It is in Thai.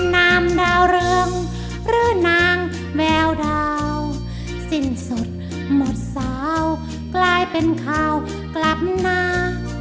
นามดาวเริงหรือนางแมวดาวสิ้นสุดหมดสาวกลายเป็นข่าวกลับนา